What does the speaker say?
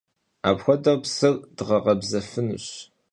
Apxuedeu psır bğekhebzefınuş.